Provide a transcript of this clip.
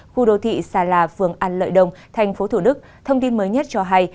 khu đô thị sala phường an lợi đông thành phố thủ đức thông tin mới nhất cho hay